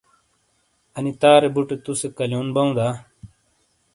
انی تارے بُٹے تُوسے کلیون بَوں دا؟